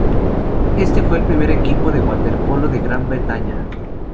Este fue el primer equipo femenino de waterpolo de Gran Bretaña.